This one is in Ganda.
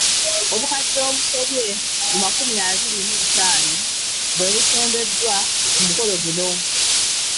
Obukadde obusobye mu makumi abiri mu butaano bwe busondeddwa ku mukolo guno